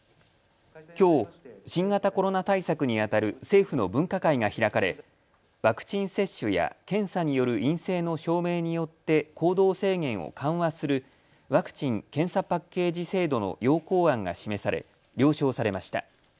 きょう、新型コロナ対策にあたる政府の分科会が開かれワクチン接種や検査による陰性の証明によって行動制限を緩和するワクチン・検査パッケージ制度の要綱案が示され了承されました。